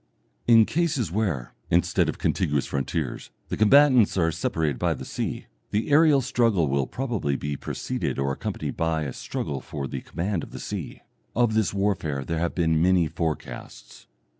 In cases where, instead of contiguous frontiers, the combatants are separated by the sea, the aerial struggle will probably be preceded or accompanied by a struggle for the command of the sea. Of this warfare there have been many forecasts.